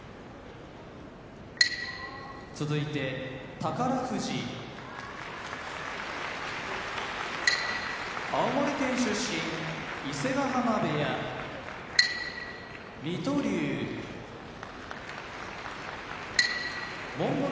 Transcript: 宝富士青森県出身伊勢ヶ濱部屋水戸龍モンゴル